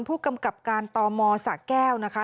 ผู้กำกับการตมสะแก้วนะคะ